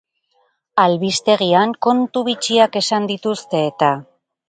Albistegian kontu bitxiak esan dituzte eta.